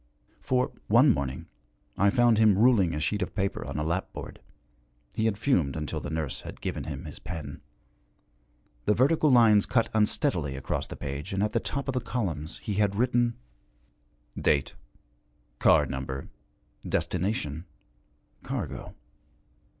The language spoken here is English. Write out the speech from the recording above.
For, one morning, I found him ruling a sheet of paper on a lapboard he had fumed until the nurse had given him his pen. The vertical lines cut unsteadily across the page, and at the top of the columns he had written: 'Date.' 'Car Number.' 'Destination.' 'Cargo.'